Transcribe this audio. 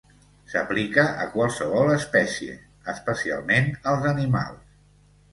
S'aplica a qualsevol espècie, especialment als animals.